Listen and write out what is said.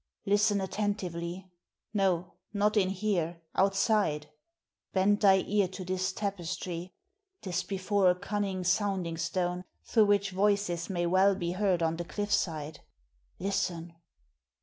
Listen attentively no, not in here, outside bend thy ear to this tapestry; 'tis before a cunning sounding stone through which voices may well be heard on the cliffside. Listen."